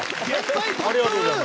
ありがとうございます。